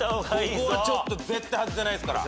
ここはちょっと絶対外せないですから。